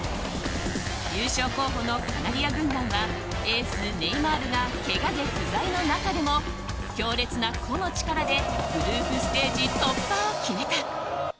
優勝候補のカナリア軍団はエース、ネイマールがけがで不在の中でも強烈な個の力でグループステージ突破を決めた。